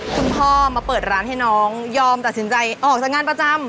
คุณพ่อมาเปิดร้านให้น้องยอมตัดสินใจออกจากงานประจำ